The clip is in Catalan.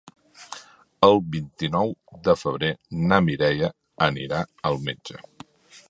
El vint-i-nou de febrer na Mireia anirà al metge.